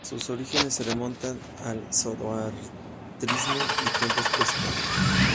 Sus orígenes se remontan al zoroastrismo y tiempos prehistóricos.